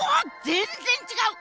全然違う！